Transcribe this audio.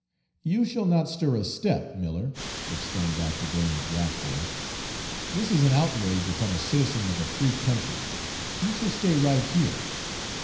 "You shall not stir a step, Miller," exclaimed Dr. Burns wrathfully. "This is an outrage upon a citizen of a free country. You shall stay right here."